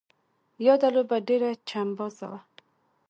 یاده لوبه ډېره چمبازه وه.